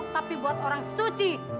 tapi buat orang suci